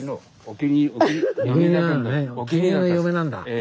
お気に入りの嫁なんだ。